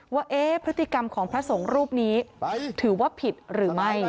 ว่าพฤติกรรมของพระสงฆ์รูปนี้ถือว่าผิดหรือไม่